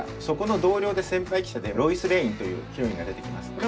そこの同僚で先輩記者でロイス・レインというヒロインが出てきます。